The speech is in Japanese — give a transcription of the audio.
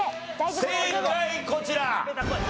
正解こちら！